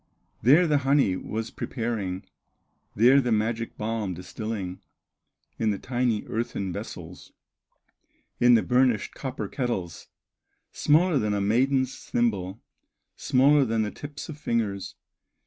There the honey was preparing, There the magic balm distilling In the tiny earthen vessels, In the burnished copper kettles, Smaller than a maiden's thimble, Smaller than the tips of fingers.